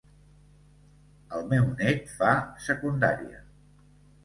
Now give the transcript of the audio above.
El meu net fa Secundària.